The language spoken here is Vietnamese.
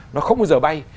nó không bao giờ bay